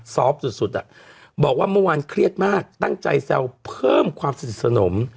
สุดบอกว่าเมื่อวานเครียดมากตั้งใจแซวเพิ่มความสนิทสนม